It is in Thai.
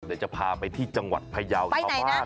เดี๋ยวจะพาไปที่จังหวัดพยาวชาวบ้าน